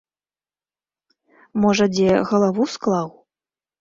Можа, дзе галаву склаў!